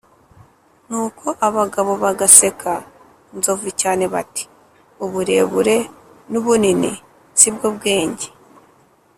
nuko abagabo bagaseka nzovu cyane, bati: ‘uburebure n’ubunini si bwo bwenge.’